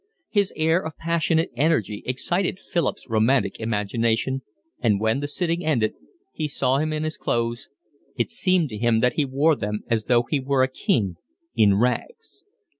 His air of passionate energy excited Philip's romantic imagination, and when, the sitting ended, he saw him in his clothes, it seemed to him that he wore them as though he were a king in rags.